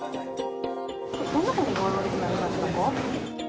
どんなふうに具合悪くなりましたか？